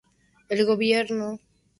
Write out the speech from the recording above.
El gobierno actúa en su nombre.